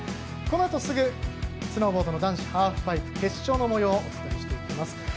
このあとすぐスノーボード男子ハーフパイプ決勝のもようをお伝えしていきます。